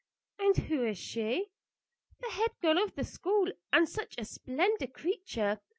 "And who is she?" "The head girl of the school; and such a splendid creature!